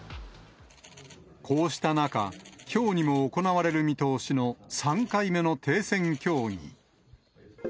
こうした中、きょうにも行われる見通しの３回目の停戦協議。